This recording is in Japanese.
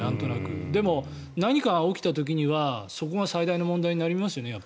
でも何かが起きた時はそこが問題になりますよね。